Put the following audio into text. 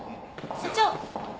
社長。